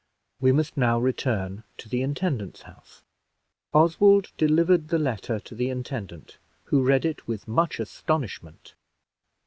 We must now return to the intendant's house. Oswald delivered the letter to the intendant, who read it with much astonishment.